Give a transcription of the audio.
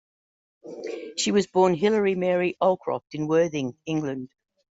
She was born Hilary Mary Allcroft in Worthing, England.